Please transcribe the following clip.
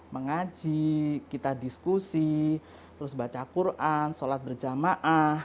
mengaji kita diskusi terus baca quran sholat berjamaah